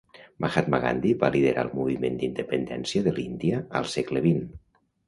Mahatma Gandhi va liderar el moviment d'independència de l'Índia al segle vint.